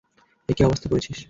এ কী অবস্থা করেছিস?